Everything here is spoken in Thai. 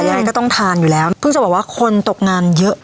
ยังไงก็ต้องทานอยู่แล้วเพิ่งจะบอกว่าคนตกงานเยอะ